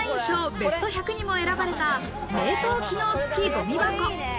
ベスト１００にも選ばれた冷凍機能付きごみ箱。